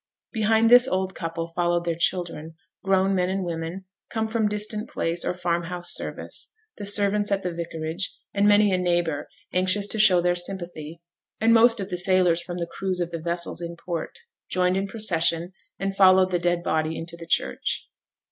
Behind this old couple followed their children, grown men and women, come from distant place or farmhouse service; the servants at the vicarage, and many a neighbour, anxious to show their sympathy, and most of the sailors from the crews of the vessels in port, joined in procession, and followed the dead body into the church.